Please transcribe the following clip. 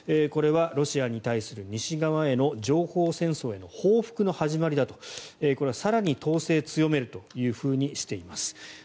これはロシアに対する西側への情報戦争への報復の始まりだと更に統制を強めるとしています。